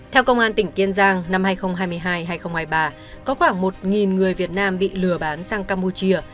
theo công an tỉnh kiên giang năm hai nghìn hai mươi hai hai nghìn hai mươi ba có khoảng một người việt nam bị lừa bán sang campuchia